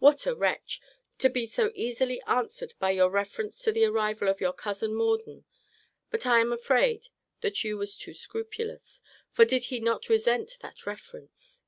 What a wretch! to be so easily answered by your reference to the arrival of your cousin Morden! But I am afraid that you was too scrupulous: for did he not resent that reference?